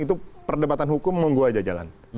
itu perdebatan hukum monggo aja jalan